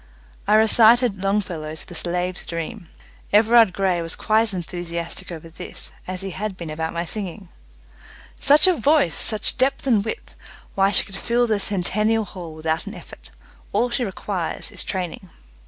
I recited Longfellow's "The Slave's Dream". Everard Grey was quite as enthusiastic over this as he had been about my singing. "Such a voice! Such depth and width! Why, she could fill the Centennial Hall without an effort. All she requires is training."